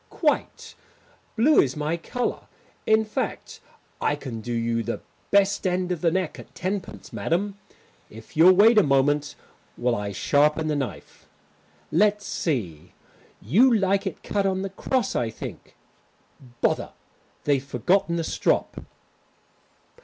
"Quite blue is my colour. In fact, I can do you the best end of the neck at tenpence, madam, if you'll wait a moment while I sharpen the knife. Let's see; you like it cut on the cross, I think? Bother, they've forgotten the strop."